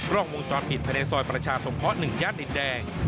ร่องวงจรผิดภัณฑ์ซอยประชาสงเคราะห์๑ญาติดแดง